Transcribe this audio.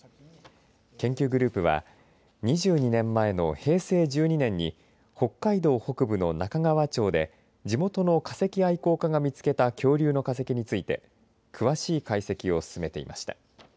研究グループは２２年前の平成１２年に北海道北部の中川町で地元の化石愛好家が見つけた恐竜の化石について詳しい解析を進めていました。